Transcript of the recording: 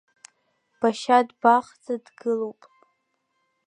Башьа дбахӡа дгылоуп.